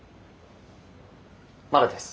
まだです。